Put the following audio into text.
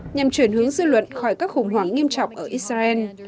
nhằm chuyển hướng dư luận khỏi các khủng hoảng nghiêm trọng ở israel